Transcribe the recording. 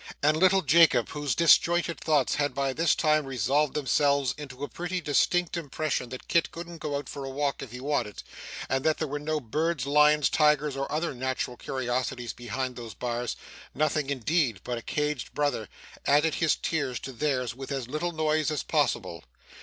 And little Jacob, whose disjointed thoughts had by this time resolved themselves into a pretty distinct impression that Kit couldn't go out for a walk if he wanted, and that there were no birds, lions, tigers or other natural curiosities behind those bars nothing indeed, but a caged brother added his tears to theirs with as little noise as possible.